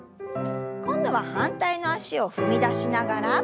今度は反対の脚を踏み出しながら。